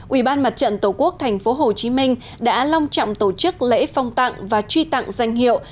ủy ban mặt trận tổ quốc tp hcm đã long trọng tổ chức lễ phong tặng và truy tặng danh hiệu